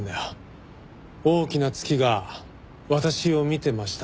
「大きな月が私を見てました」